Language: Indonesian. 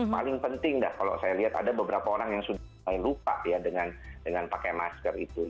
paling penting dah kalau saya lihat ada beberapa orang yang sudah mulai lupa ya dengan pakai masker itu